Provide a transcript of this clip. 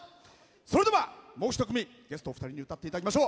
それでは、もう一組ゲストお二人に歌っていただきましょう。